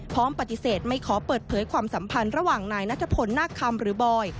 พร้อมปฏิเสธไม่ขอเปิดเผยความสัมพันธ์ระหว่างนายนัทพลนาคคำหรือบอย